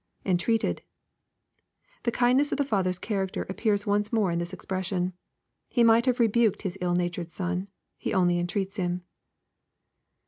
[Entreated.] The kindness of the father's character appears once more in this expression. He might have rebuked bis ill natured son. He only entreats him.